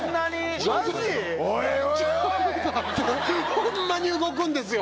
ホンマに動くんですよ！